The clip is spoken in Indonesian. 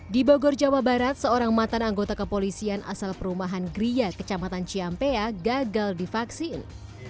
di bogor jawa barat seorang matan anggota kepolisian asal perumahan gria kecamatan ciampea gagal divaksin